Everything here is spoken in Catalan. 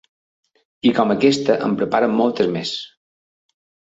I com aquesta en preparen moltes més.